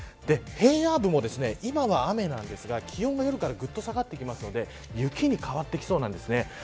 平野部も今は雨なんですが気温が夜からぐっと下がってくるので雪に変わってきそうなんです。